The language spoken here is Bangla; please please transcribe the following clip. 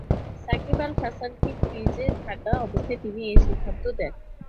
সাকিব আল হাসানকে ক্রিজে থাকা অবস্থায় তিনি এ সিদ্ধান্ত দেন।